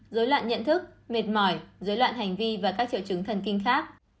dối loạn nhận thức mệt mỏi dối loạn hành vi và các triệu chứng thần kinh khác